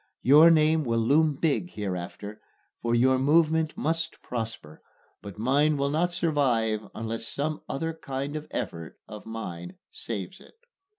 Your name will loom big hereafter, for your movement must prosper, but mine will not survive unless some other kind of effort of mine saves it.